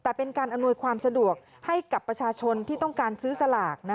แต่เป็นการอำนวยความสะดวกให้กับประชาชนที่ต้องการซื้อสลาก